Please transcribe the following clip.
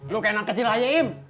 lo kena kecil aja im